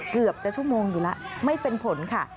เกือบจะชั่วโมงอยู่แล้วไม่เป็นผลค่ะ